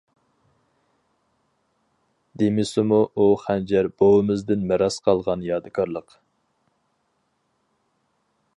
دېمىسىمۇ ئۇ خەنجەر بوۋىمىزدىن مىراس قالغان يادىكارلىق.